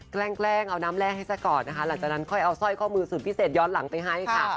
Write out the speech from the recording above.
แกล้งเอาน้ำแรกให้ซะก่อนนะคะหลังจากนั้นค่อยเอาสร้อยข้อมือสุดพิเศษย้อนหลังไปให้ค่ะ